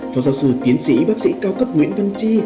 phó giáo sư tiến sĩ bác sĩ cao cấp nguyễn văn chi